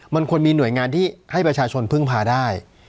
มันควรมีหน่วยงานที่ให้ประชาชนพึ่งพาได้